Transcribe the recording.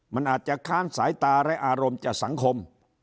มันอาจจะค้านสายตาและอารมณ์จากสังคม